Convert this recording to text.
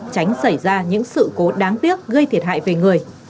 tránh xảy ra những sự cố đáng tiếc gây thiệt hại về người